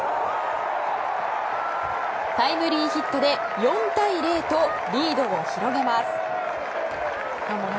タイムリーヒットで４対０とリードを広げます。